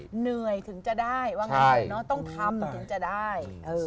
เหนื่อยถึงจะได้ต้องทำถึงจะได้